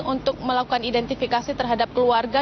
untuk melakukan identifikasi terhadap keluarga